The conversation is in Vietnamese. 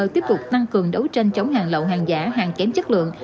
tiếp tục tăng cường đấu tranh chống hàng lậu hàng giả hàng kém chất lượng